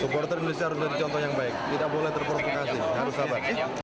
supporter indonesia harus menjadi contoh yang baik tidak boleh terprovokasi harus sabar